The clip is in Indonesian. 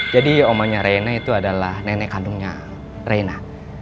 jadi omanya reina itu adalah nenek kandungnya reina